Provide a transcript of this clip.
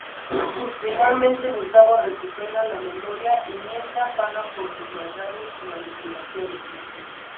Finalmente, Gustavo recupera la memoria y Mirtha paga por sus maldades y manipulaciones.